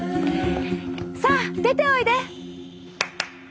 さあ出ておいで！